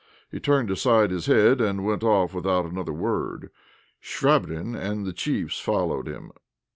He turned aside his head, and went off without another word. Chvabrine and the chiefs followed him.